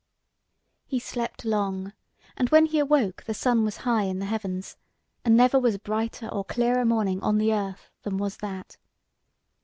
He slept long, and when he awoke the sun was high in the heavens, and never was brighter or clearer morning on the earth than was that.